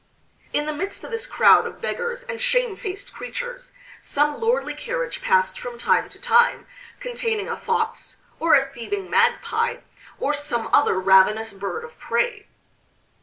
In the midst of this crowd of beggars and shamefaced creatures, some lordly carriage passed from time to time containing a Fox, or a thieving Magpie, or some other ravenous bird of prey.